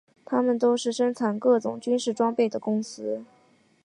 它们都是生产各种军事装备的公司。